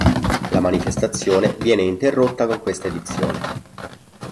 La manifestazione viene interrotta con questa edizione.